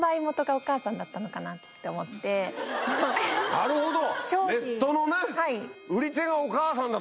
なるほど。